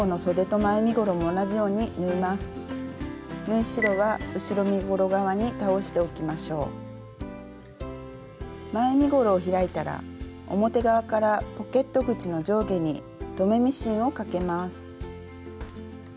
前身ごろを開いたら表側からポケット口の上下に留めミシンをかけます。